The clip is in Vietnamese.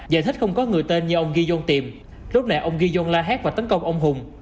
giải thích không có người tên như ông giyon tìm lúc này ông giyon la hét và tấn công ông hùng